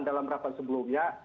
dalam rapat sebelumnya